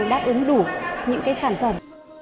đã ứng đủ những cái sản phẩm